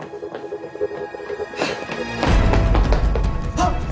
あっ！